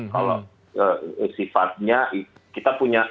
kalau sifatnya kita punya